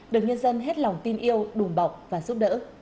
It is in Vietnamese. được nhân dân hết lòng tin yêu đùm bọc và giúp đỡ